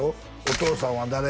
お父さんは誰？